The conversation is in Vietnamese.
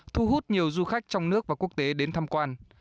thu hút nhiều du khách trong nước và quốc tế đến tham quan